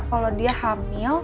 kalo dia hamil